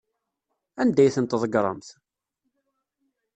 Anda ay tent-tḍeggremt?